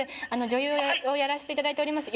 女優をやらせていただいております